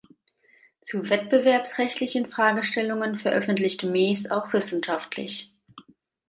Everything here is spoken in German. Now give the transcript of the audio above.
Zu wettbewerbsrechtlichen Fragestellungen veröffentlichte Mees auch wissenschaftlich.